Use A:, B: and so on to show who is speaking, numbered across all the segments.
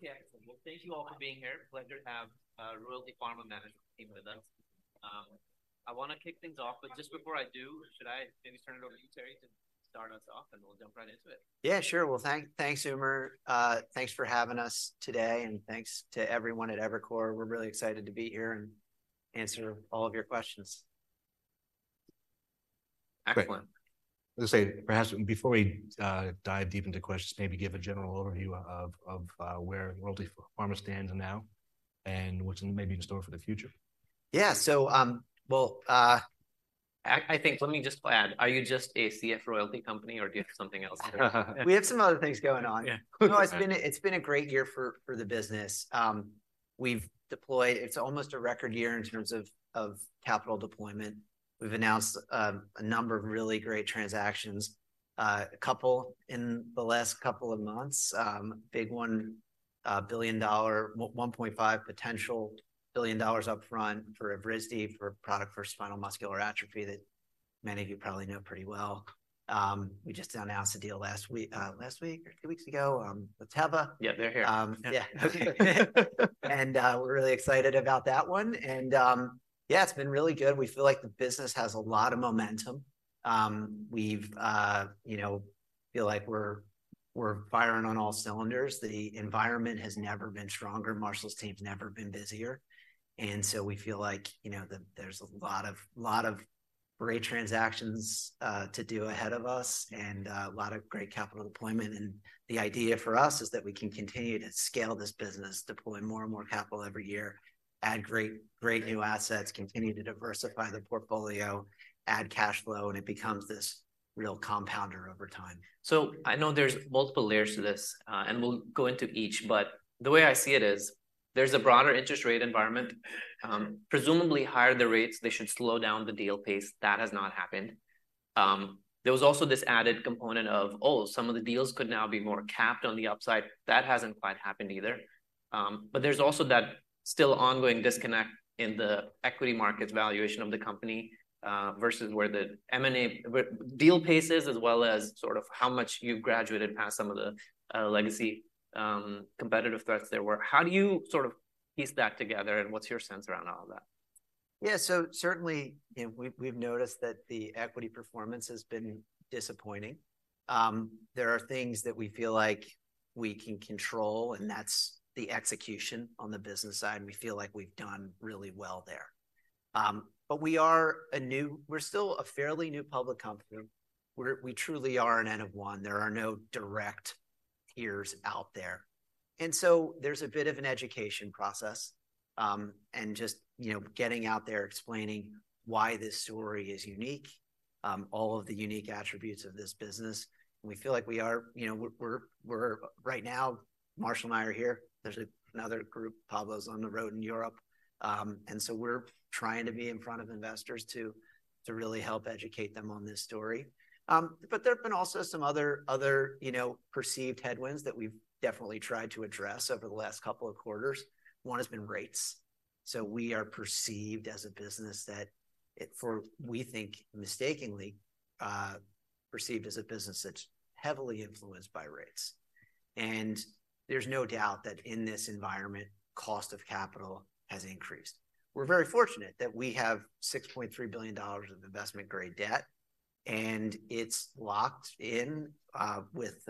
A: Okay, excellent. Well, thank you all for being here. Pleasure to have Royalty Pharma management team with us. I want to kick things off, but just before I do, should I maybe turn it over to you, Terry, to start us off, and we'll jump right into it?
B: Yeah, sure. Well, thanks, Umer. Thanks for having us today, and thanks to everyone at Evercore. We're really excited to be here and answer all of your questions.
A: Excellent.
C: I'll just say, perhaps before we, dive deep into questions, maybe give a general overview of where Royalty Pharma stands now and what's maybe in store for the future.
B: Yeah. So, well,
A: I think let me just add, are you just a CF royalty company, or do you have something else?
B: We have some other things going on.
A: Yeah.
B: No, it's been a great year for the business. We've deployed. It's almost a record year in terms of capital deployment. We've announced a number of really great transactions, a couple in the last couple of months. Big one, billion-dollar $1.5 billion potential up front for Evrysdi, for a product for spinal muscular atrophy that many of you probably know pretty well. We just announced a deal last week or two weeks ago with Teva.
A: Yeah, they're here.
B: Yeah. And we're really excited about that one. And yeah, it's been really good. We feel like the business has a lot of momentum. We've, you know, feel like we're, we're firing on all cylinders. The environment has never been stronger. Marshall's team's never been busier, and so we feel like, you know, that there's a lot of, lot of great transactions to do ahead of us and a lot of great capital deployment. And the idea for us is that we can continue to scale this business, deploy more and more capital every year, add great, great new assets, continue to diversify the portfolio, add cash flow, and it becomes this real compounder over time.
A: So I know there's multiple layers to this, and we'll go into each, but the way I see it is, there's a broader interest rate environment. Presumably, higher the rates, they should slow down the deal pace. That has not happened. There was also this added component of, oh, some of the deals could now be more capped on the upside. That hasn't quite happened either. But there's also that still ongoing disconnect in the equity market's valuation of the company, versus where the M&A deal pace is, as well as sort of how much you've graduated past some of the legacy competitive threats there were. How do you sort of piece that together, and what's your sense around all of that?
B: Yeah. So certainly, you know, we've noticed that the equity performance has been disappointing. There are things that we feel like we can control, and that's the execution on the business side, and we feel like we've done really well there. But we are a new, we're still a fairly new public company, where we truly are an N of one. There are no direct peers out there. And so there's a bit of an education process, and just, you know, getting out there, explaining why this story is unique, all of the unique attributes of this business. We feel like we are, you know, we're. Right now, Marshall and I are here. There's another group, Pablo's on the road in Europe. And so we're trying to be in front of investors to really help educate them on this story. But there have been also some other, you know, perceived headwinds that we've definitely tried to address over the last couple of quarters. One has been rates. So we are perceived as a business that, for we think mistakenly, perceived as a business that's heavily influenced by rates. There's no doubt that in this environment, cost of capital has increased. We're very fortunate that we have $6.3 billion of investment-grade debt, and it's locked in, with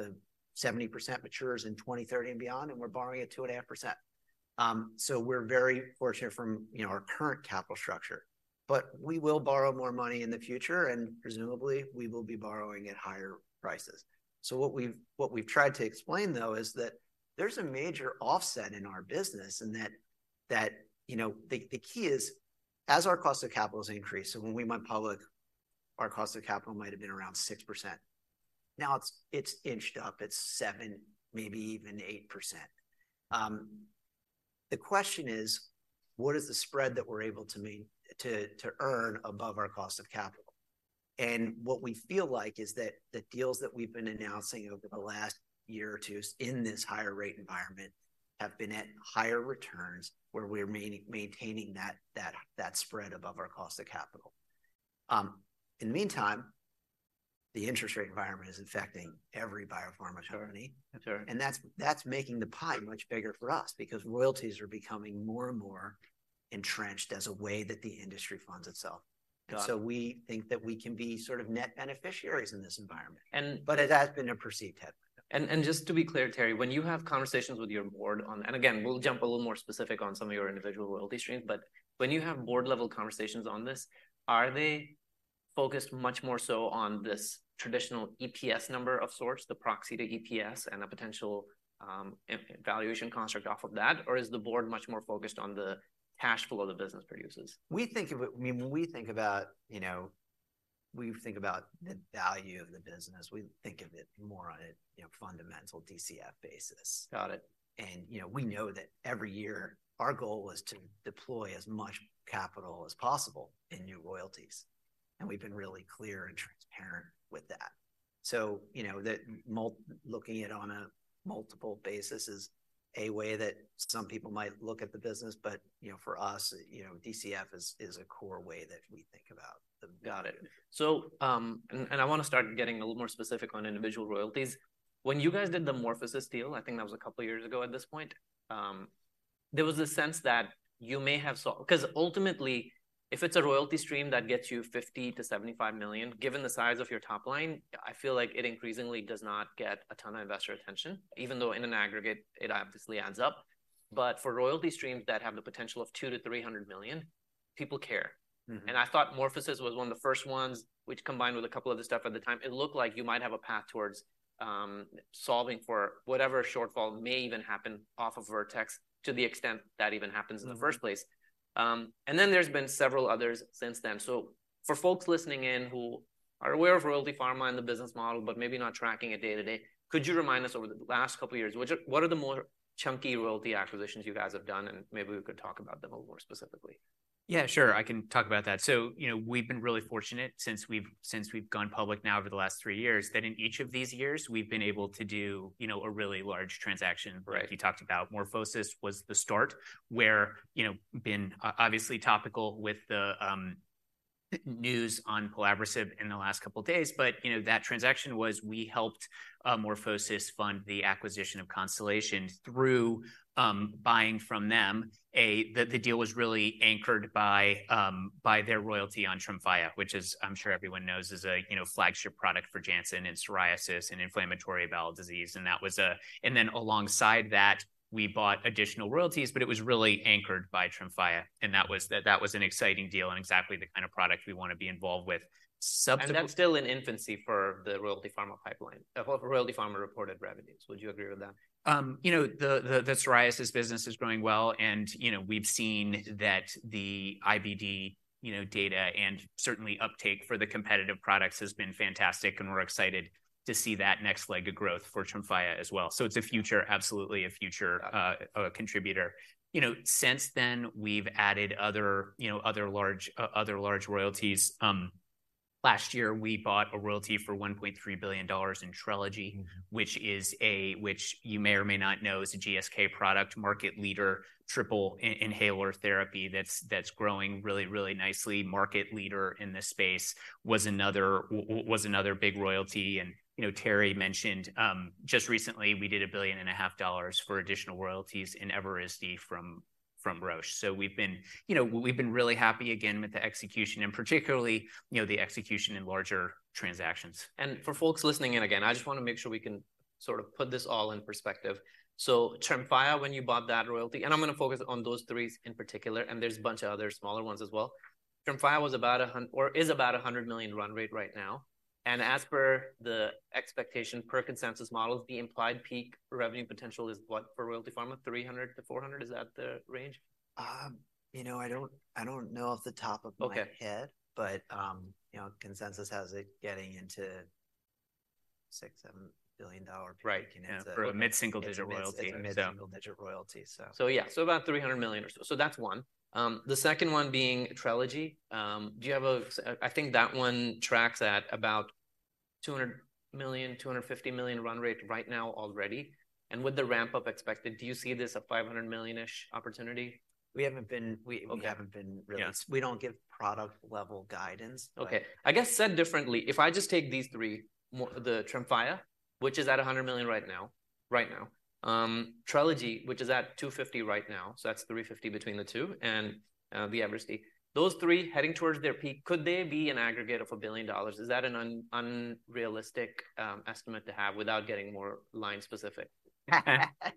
B: 70% matures in 2030 and beyond, and we're borrowing at 2.5%. We're very fortunate from, you know, our current capital structure, but we will borrow more money in the future, and presumably, we will be borrowing at higher prices. So what we've tried to explain, though, is that there's a major offset in our business, and that, you know, the key is, as our cost of capital has increased, so when we went public, our cost of capital might have been around 6%. Now, it's inched up. It's 7%, maybe even 8%. The question is: What is the spread that we're able to make, to earn above our cost of capital? And what we feel like is that the deals that we've been announcing over the last year or two in this higher rate environment have been at higher returns, where we're maintaining that spread above our cost of capital. In the meantime, the interest rate environment is affecting every biopharmaceutical-
A: Sure. Sure.
B: That's, that's making the pie much bigger for us because royalties are becoming more and more entrenched as a way that the industry funds itself.
A: Got it.
B: We think that we can be sort of net beneficiaries in this environment.
A: And-
B: But it has been a perceived headwind.
A: Just to be clear, Terry, when you have conversations with your board on... And again, we'll jump a little more specific on some of your individual royalty streams, but when you have board-level conversations on this, are they focused much more so on this traditional EPS number of sorts, the proxy to EPS and a potential EV valuation construct off of that? Or is the board much more focused on the cash flow the business produces?
B: We think of it, when we think about, you know, we think about the value of the business, we think of it more on a, you know, fundamental DCF basis.
A: Got it.
B: And, you know, we know that every year, our goal is to deploy as much capital as possible in new royalties, and we've been really clear and transparent with that. So, you know, that, looking at it on a multiple basis, is a way that some people might look at the business, but, you know, for us, you know, DCF is a core way that we think about it.
A: Got it. So, I want to start getting a little more specific on individual royalties. When you guys did the MorphoSys deal, I think that was a couple of years ago at this point, there was a sense that you may have sold, 'cause ultimately, if it's a royalty stream that gets you $50 million-$75 million, given the size of your top line, I feel like it increasingly does not get a ton of investor attention, even though in an aggregate, it obviously adds up. But for royalty streams that have the potential of $200 million-$300 million, people care I thought MorphoSys was one of the first ones, which combined with a couple other stuff at the time, it looked like you might have a path towards solving for whatever shortfall may even happen off of Vertex, to the extent that even happens in the first place. And then there's been several others since then. So for folks listening in who are aware of Royalty Pharma and the business model, but maybe not tracking it day-to-day, could you remind us over the last couple of years, what are the more chunky royalty acquisitions you guys have done? And maybe we could talk about them a little more specifically.
D: Yeah, sure. I can talk about that. So, you know, we've been really fortunate since we've gone public now over the last three years, that in each of these years, we've been able to do, you know, a really large transaction.
A: Right.
D: You talked about MorphoSys was the start, where, you know, been obviously topical with the news on pelabresib in the last couple of days, but, you know, that transaction was we helped MorphoSys fund the acquisition of Constellation through buying from them. The deal was really anchored by their royalty on Tremfya, which is, I'm sure everyone knows, is a, you know, flagship product for Janssen in psoriasis and inflammatory bowel disease, and that was. And then alongside that, we bought additional royalties, but it was really anchored by Tremfya, and that was an exciting deal and exactly the kind of product we want to be involved with. Subse-
A: That's still in infancy for the Royalty Pharma pipeline of Royalty Pharma reported revenues. Would you agree with that?
D: You know, the psoriasis business is growing well, and, you know, we've seen that the IBD, you know, data, and certainly uptake for the competitive products has been fantastic, and we're excited to see that next leg of growth for Tremfya as well. So it's a future, absolutely a future contributor. You know, since then, we've added other, you know, other large royalties. Last year, we bought a royalty for $1.3 billion in Trelegy, which is a, which you may or may not know, is a GSK product market leader, triple inhaler therapy that's growing really, really nicely. Market leader in this space, was another big royalty. And, you know, Terry mentioned, just recently, we did $1.5 billion for additional royalties in Evrysdi from Roche. So we've been, you know, we've been really happy again with the execution, and particularly, you know, the execution in larger transactions.
A: For folks listening in, again, I just want to make sure we can sort of put this all in perspective. Tremfya, when you bought that royalty, and I'm gonna focus on those three in particular, and there's a bunch of other smaller ones as well. Tremfya was about $100 or is about a $100 million run rate right now, and as per the expectation per consensus models, the implied peak revenue potential is what for Royalty Pharma? $300 million-$400 million, is that the range?
B: You know, I don't know off the top of my head-
A: Okay.
B: But, you know, consensus has it getting into $6 billion-$7 billion peak.
A: Right.
D: For a mid-single-digit royalty.
B: It's a mid-single-digit royalty, so.
A: So yeah, so about $300 million or so. So that's one. The second one being Trelegy. Do you have a... I think that one tracks at about $200 million-$250 million run rate right now already. And with the ramp-up expected, do you see this a $500 million-ish opportunity?
B: We haven't been,
A: Okay.
B: We haven't been really-
A: Yeah.
B: We don't give product level guidance.
A: Okay. I guess said differently, if I just take these three, the Tremfya, which is at $100 million right now, right now, Trelegy, which is at $250 million right now, so that's $350 million between the two, and the Evrysdi. Those three heading towards their peak, could they be an aggregate of $1 billion? Is that an unrealistic estimate to have without getting more line specific?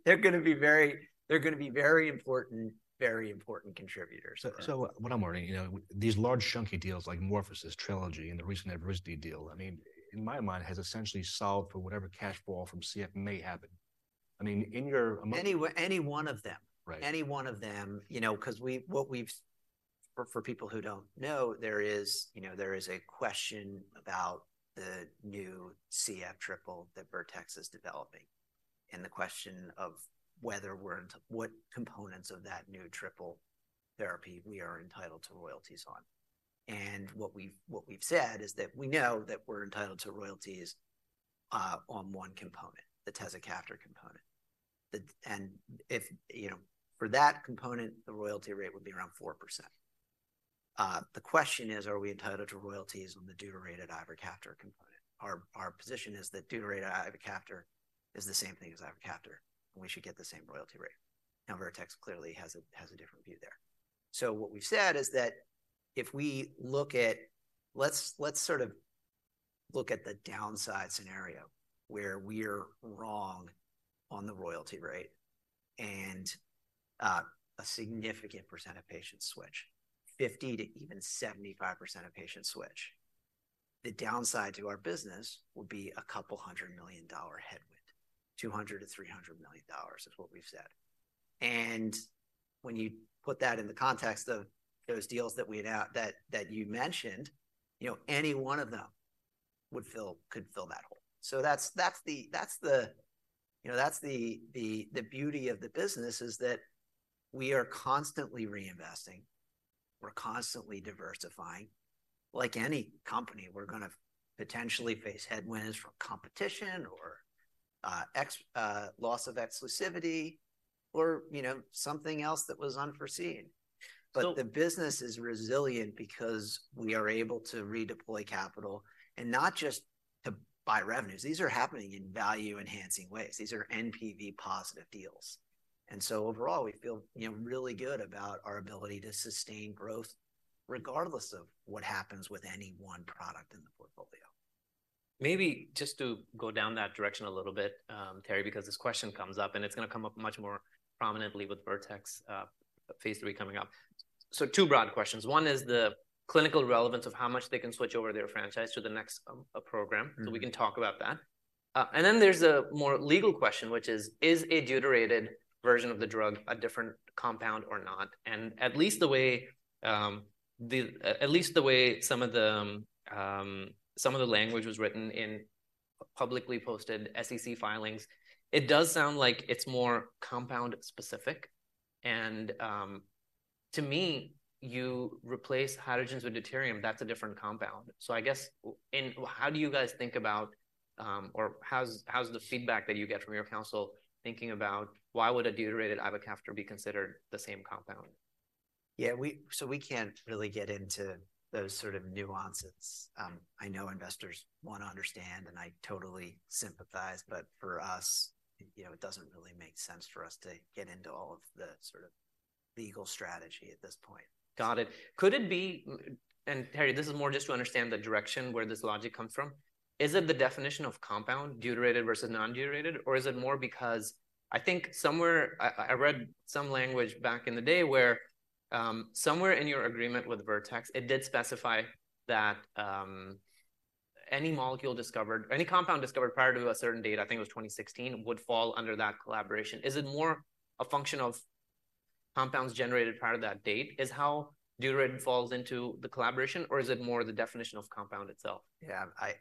B: They're gonna be very, they're gonna be very important, very important contributors.
D: So what I'm learning, you know, these large, chunky deals like MorphoSys, Trelegy, and the recent Evrysdi deal, I mean, in my mind, has essentially solved for whatever cash flow from CF may happen. I mean, in your among-
B: Any, any one of them.
D: Right.
B: Any one of them, you know, 'cause what we've... For people who don't know, there is, you know, there is a question about the new CF triple that Vertex is developing, and the question of whether we're entitled to royalties on what components of that new triple therapy we are entitled to royalties on. And what we've said is that we know that we're entitled to royalties on one component, the tezacaftor component. And if, you know, for that component, the royalty rate would be around 4%. The question is, are we entitled to royalties on the deuterated ivacaftor component? Our position is that deuterated ivacaftor is the same thing as ivacaftor, and we should get the same royalty rate. Now, Vertex clearly has a different view there. So what we've said is that if we look at... Let's sort of look at the downside scenario, where we're wrong on the royalty rate, and a significant percent of patients switch, 50% to even 75% of patients switch. The downside to our business would be a couple $100 million headwind, $200 million-$300 million is what we've said. And when you put that in the context of those deals that we announced that you mentioned, you know, any one of them would fill, could fill that hole. So that's, that's the, that's the, you know, that's the, the, the beauty of the business, is that we are constantly reinvesting, we're constantly diversifying. Like any company, we're gonna potentially face headwinds from competition or loss of exclusivity or, you know, something else that was unforeseen. But the business is resilient because we are able to redeploy capital, and not just to buy revenues. These are happening in value-enhancing ways. These are NPV positive deals. And so overall, we feel, you know, really good about our ability to sustain growth, regardless of what happens with any one product in the portfolio.
A: Maybe just to go down that direction a little bit, Terry, because this question comes up, and it's gonna come up much more prominently with Vertex, phase III coming up. So two broad questions. One is the clinical relevance of how much they can switch over their franchise to the next, program. So we can talk about that. And then there's a more legal question, which is: Is a deuterated version of the drug a different compound or not? And at least the way some of the language was written in publicly posted SEC filings, it does sound like it's more compound-specific. And to me, you replace hydrogens with deuterium, that's a different compound. So I guess, and how do you guys think about, or how's the feedback that you get from your counsel thinking about why would a deuterated ivacaftor be considered the same compound?
B: Yeah, so we can't really get into those sort of nuances. I know investors want to understand, and I totally sympathize, but for us, you know, it doesn't really make sense for us to get into all of the sort of legal strategy at this point.
A: Got it. Could it be... And, Terry, this is more just to understand the direction where this logic comes from. Is it the definition of compound, deuterated versus non-deuterated, or is it more because I think somewhere, I read some language back in the day where, somewhere in your agreement with Vertex, it did specify that, any molecule discovered, any compound discovered prior to a certain date, I think it was 2016, would fall under that collaboration. Is it more a function of compounds generated prior to that date is how deuterated falls into the collaboration, or is it more the definition of compound itself?
B: Yeah, I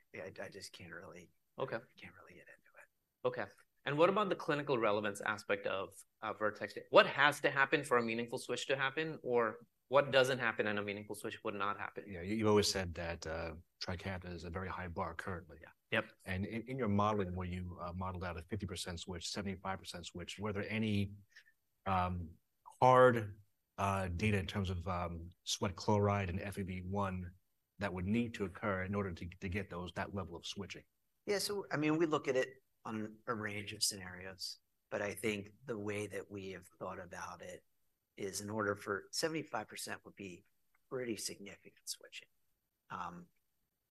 B: just can't really-
A: Okay.
B: Can't really get into it.
A: Okay. And what about the clinical relevance aspect of Vertex? What has to happen for a meaningful switch to happen, or what doesn't happen, and a meaningful switch would not happen?
C: Yeah, you've always said that, Trikafta is a very high bar currently.
B: Yeah.
A: Yep.
C: In your modeling, where you modeled out a 50% switch, 75% switch, were there any hard data in terms of sweat chloride and FEV1 that would need to occur in order to get that level of switching?
B: Yeah, so I mean, we look at it on a range of scenarios, but I think the way that we have thought about it is in order for... 75% would be pretty significant switching.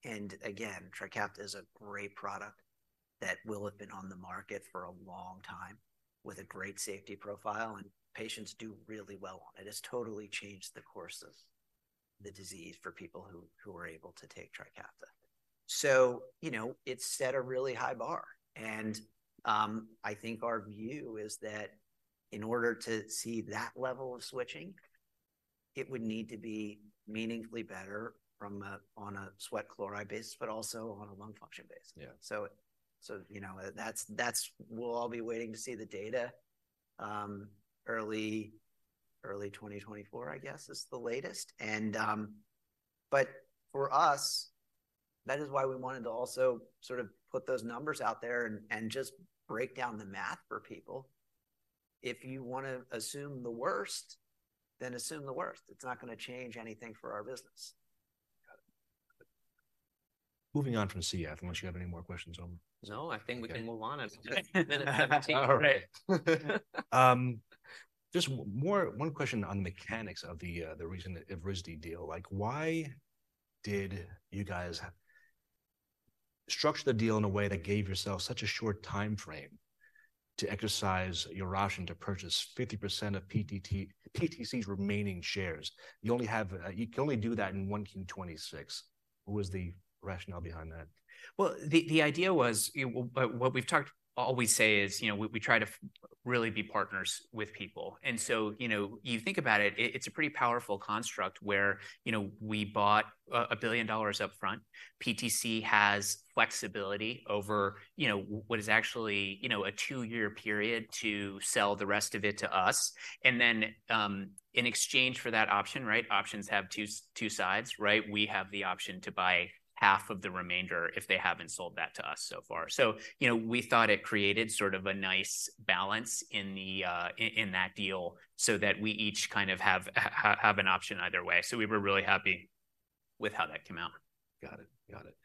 B: And again, Trikafta is a great product that will have been on the market for a long time with a great safety profile, and patients do really well on it. It's totally changed the course of the disease for people who are able to take Trikafta. So, you know, it set a really high bar, and I think our view is that in order to see that level of switching, it would need to be meaningfully better from a sweat chloride basis, but also on a lung function basis.
C: Yeah.
B: So, you know, that's... We'll all be waiting to see the data, early 2024, I guess, is the latest. But for us, that is why we wanted to also sort of put those numbers out there and just break down the math for people. If you want to assume the worst, then assume the worst. It's not gonna change anything for our business.
C: Got it. Moving on from CF, unless you have any more questions on-
A: No, I think we can move on. It's just-
C: All right. Just more, one question on the mechanics of the recent Evrysdi deal. Like, why did you guys structure the deal in a way that gave yourself such a short timeframe to exercise your option to purchase 50% of PTC's remaining shares? You only have, you can only do that in 1Q 2026. What was the rationale behind that?
D: Well, the idea was, you know, what we always say is, you know, we try to really be partners with people. And so, you know, you think about it, it's a pretty powerful construct where, you know, we bought $1 billion upfront. PTC has flexibility over, you know, what is actually, you know, a two-year period to sell the rest of it to us. And then, in exchange for that option, right, options have two sides, right? We have the option to buy half of the remainder if they haven't sold that to us so far. So, you know, we thought it created sort of a nice balance in the deal so that we each kind of have an option either way. So we were really happy with how that came out.
C: Got it. Got it.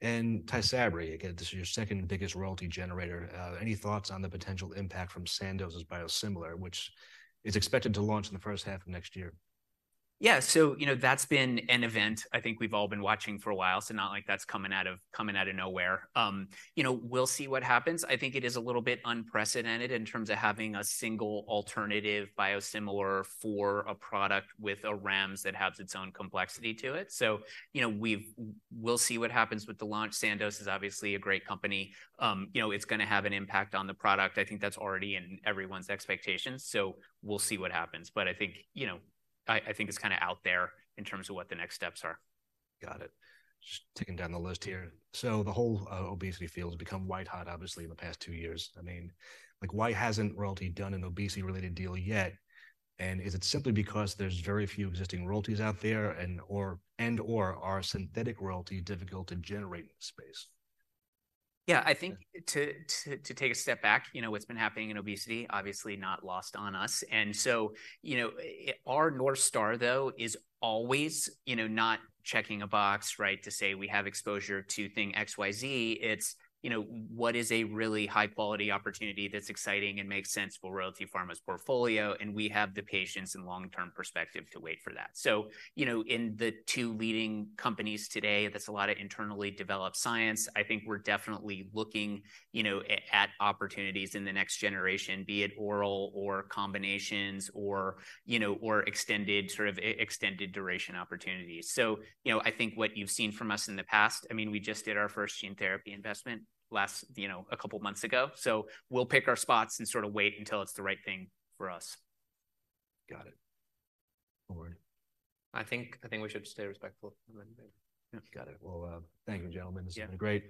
C: And Tysabri, again, this is your second biggest royalty generator. Any thoughts on the potential impact from Sandoz's biosimilar, which is expected to launch in the first half of next year?
D: Yeah. So, you know, that's been an event I think we've all been watching for a while, so not like that's coming out of nowhere. You know, we'll see what happens. I think it is a little bit unprecedented in terms of having a single alternative biosimilar for a product with a REMS that has its own complexity to it. So, you know, we'll see what happens with the launch. Sandoz is obviously a great company. You know, it's gonna have an impact on the product. I think that's already in everyone's expectations, so we'll see what happens. But I think, you know, I think it's kind of out there in terms of what the next steps are.
C: Got it. Just ticking down the list here. So the whole obesity field has become white hot, obviously, in the past two years. I mean, like, why hasn't Royalty done an obesity-related deal yet? And is it simply because there's very few existing royalties out there, and/or are synthetic royalty difficult to generate in this space?
D: Yeah, I think to take a step back, you know, what's been happening in obesity, obviously not lost on us. And so, you know, our North Star, though, is always, you know, not checking a box, right? To say we have exposure to thing XYZ. It's, you know, what is a really high-quality opportunity that's exciting and makes sense for Royalty Pharma's portfolio, and we have the patience and long-term perspective to wait for that. So, you know, in the two leading companies today, that's a lot of internally developed science. I think we're definitely looking, you know, at opportunities in the next generation, be it oral or combinations or, you know, or extended, sort of extended duration opportunities. So, you know, I think what you've seen from us in the past, I mean, we just did our first gene therapy investment last, you know, a couple of months ago. So we'll pick our spots and sort of wait until it's the right thing for us.
C: Got it. All right.
A: I think, I think we should stay respectful.
C: Got it. Well, thank you, gentlemen.
D: Yeah.
C: This has been great.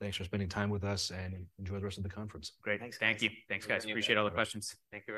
C: Thanks for spending time with us, and enjoy the rest of the conference.
D: Great.
B: Thanks.
D: Thank you. Thanks, guys. Appreciate all the questions.
B: Thank you.